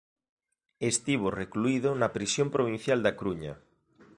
Estivo recluído na prisión provincial da Coruña.